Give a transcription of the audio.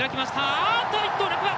あっと１頭落馬。